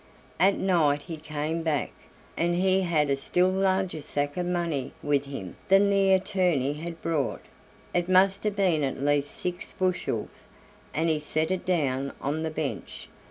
At night he came back, and he had a still larger sack of money with him than the attorney had brought; it must have been at least six bushels, and he set it down on the bench.